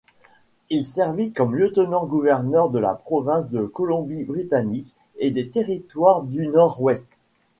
Il servit comme Lieutenant-gouverneur de la province de Colombie-Britannique et des Territoires du Nord-Ouest.